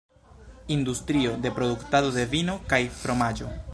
Industrio de produktado de vino kaj fromaĝo.